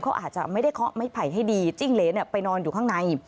เขาอาจจะไม่ได้เคาะไม้ไผ่ให้ดีจิ้งเหรนไปนอนอยู่ข้างใน